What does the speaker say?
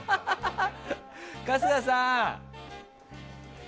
春日さん。